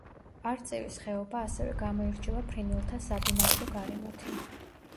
არწივის ხეობა ასევე გამოირჩევა ფრინველთა საბინადრო გარემოთი.